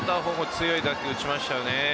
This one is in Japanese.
強い打球、打ちましたよね。